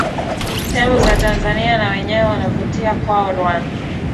emu za tanzania na wenyewe wanavutia kwao rwan